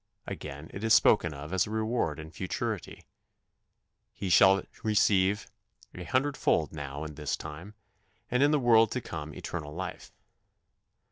" Again it is spoken of as a reward in futurity: "He shall receive an hundredfold now in this time ... and in the world to come eternal life."